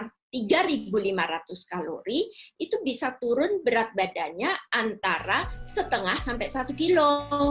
kalau tiga lima ratus kalori itu bisa turun berat badannya antara setengah sampai satu kilo